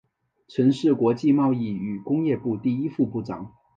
曾是国际贸易与工业部第一副部长。